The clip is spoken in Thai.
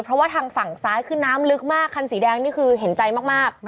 เพราะว่าทางฝั่งซ้ายคือน้ำลึกมากคันสีแดงนี่คือเห็นใจมาก